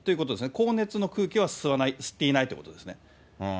高熱の空気は吸っていないということですね。